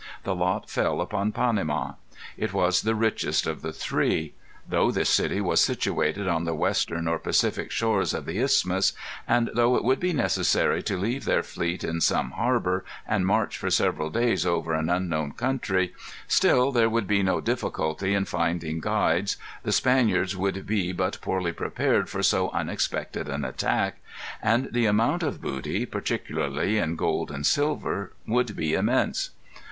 The lot fell upon Panama. It was the richest of the three. Though this city was situated on the western or Pacific shores of the Isthmus, and though it would be necessary to leave their fleet in some harbor, and march for several days over an unknown country, still there would be no difficulty in finding guides, the Spaniards would be but poorly prepared for so unexpected an attack, and the amount of booty, particularly in gold and silver, would be immense.